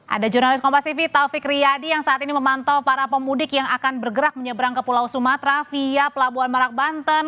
ada jurnalis kompas tv taufik riyadi yang saat ini memantau para pemudik yang akan bergerak menyeberang ke pulau sumatera via pelabuhan merak banten